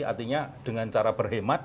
artinya dengan cara berhemat